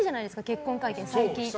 結婚会見、最近。